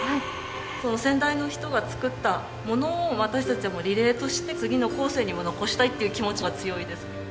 先代の人が作ったものを私たちもリレーとして次の後世にも残したいっていう気持ちが強いです。